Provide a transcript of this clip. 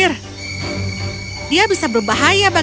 kalian ialah asli wanita